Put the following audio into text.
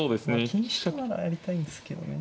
金飛車ならやりたいんですけどね。